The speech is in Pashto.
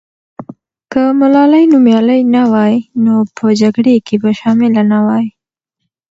که ملالۍ نومیالۍ نه وای، نو په جګړه کې به شامله نه وای.